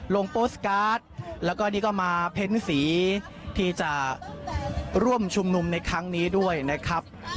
โปสตการ์ดแล้วก็นี่ก็มาเพ้นสีที่จะร่วมชุมนุมในครั้งนี้ด้วยนะครับ